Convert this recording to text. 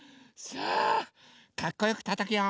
さあかっこよくたたくよ。